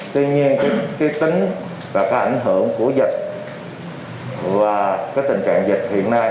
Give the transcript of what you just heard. tuy nhiên cái tính và cái ảnh hưởng của dịch và cái tình trạng dịch hiện nay